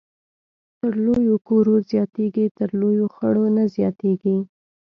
تر لويو کورو زياتېږي ، تر لويو خړو نه زياتېږي